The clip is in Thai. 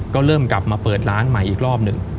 ก็เริ่มกลับมาเปิดร้านใหม่อีกรอบหนึ่ง